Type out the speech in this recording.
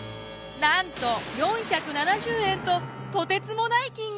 なんと４７０円ととてつもない金額！